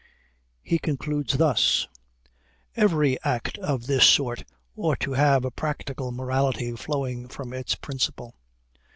He concludes thus: "Every act of this sort ought to have a practical morality flowing from its principle.